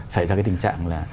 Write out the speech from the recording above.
xảy ra cái tình trạng là